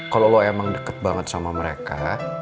kalau lo emang deket banget sama mereka